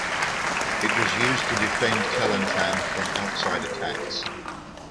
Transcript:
It was used to defend Kelantan from outside attacks.